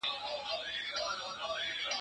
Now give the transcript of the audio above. زه اجازه لرم چي چپنه پاک کړم